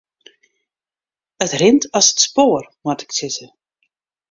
It rint as it spoar moat ik sizze.